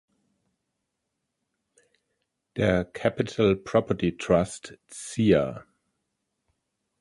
Der "Capital Property Trust" Cia.